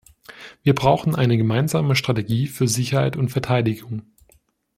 Wir brauchen eine gemeinsame Strategie für Sicherheit und Verteidigung.